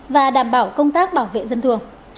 và đảm bảo công tác bảo vệ dân thường